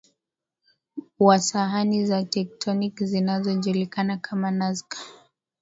wa sahani za tectonic zinazojulikana kama Nazca